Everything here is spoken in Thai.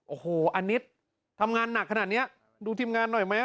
โอ้โหอานิดทำงานหนักขนาดนี้ดูทีมงานหน่อยไหม